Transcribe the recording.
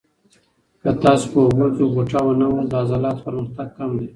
که تاسو په اوبو کې غوټه ونه وهل، د عضلاتو پرمختګ کم دی.